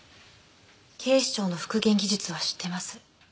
警視庁の復元技術は知ってます。